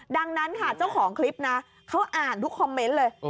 ดังนั้นค่ะเจ้าของคลิปนะเขาอ่านทุกคอมเมนต์เลย